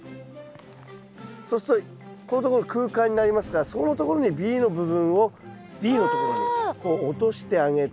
そうするとここのところ空間になりますからそこのところにＢの部分をＤのところにこう落としてあげて。